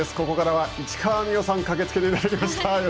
ここからは市川美余さん駆けつけていただきました。